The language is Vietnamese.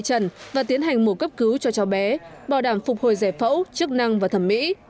trận và tiến hành mùa cấp cứu cho chó bé bảo đảm phục hồi rẻ phẫu chức năng và thẩm mỹ